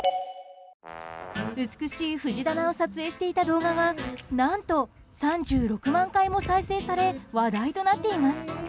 美しい藤棚を撮影していた動画が何と３６万回も再生され話題となっています。